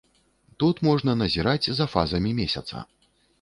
Тут можна назіраць за фазамі месяца.